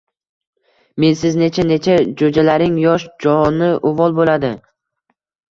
Mensiz necha-necha jo‘jalarning yosh joni uvol bo‘ladi